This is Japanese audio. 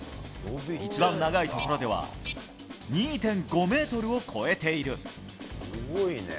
一番長いところでは２．５ｍを超えている。